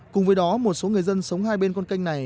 cùng với đó một số người dân sống hai bên con canh này